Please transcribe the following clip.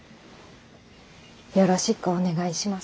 よろしくお願いします。